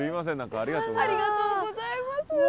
ありがとうございます。